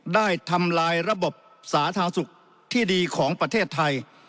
ทำลายระบบสาธารณสุขที่ดีของประเทศไทย